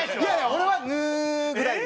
俺は「ヌー」ぐらいで。